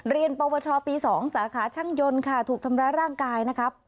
ปวชปี๒สาขาช่างยนต์ค่ะถูกทำร้ายร่างกายนะครับ